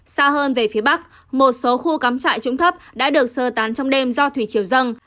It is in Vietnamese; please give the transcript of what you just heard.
xa hơn về phía bắc một số khu cắm trại trũng thấp đã được sơ tán trong đêm do thủy chiều dâng